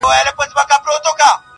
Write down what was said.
ما به له زړه درته ټپې په زړه کي وويلې